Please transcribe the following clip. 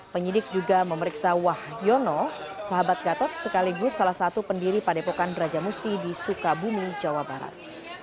penyidik juga memeriksa wah yono sahabat gatot sekaligus salah satu pendiri padepokan raja musti di sukabumi jawa barat